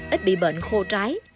ít bị bệnh khô trái